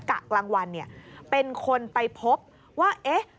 กะรางวัลเป็นคนไปพบว่าเอ๊ะ